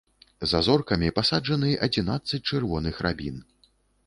За зоркамі пасаджаны адзінаццаць чырвоных арабін.